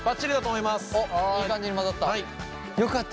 いい感じに混ざった。